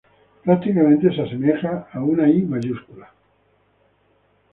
Prácticamente se asemeja a una I mayúscula.